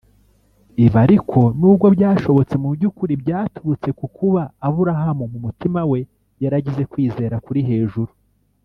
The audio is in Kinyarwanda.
Ibi ariko nubwo byashobotse mu byukuri byaturutse kukuba Aburahamu mu mutima we yaragize kwizera kuri hejuru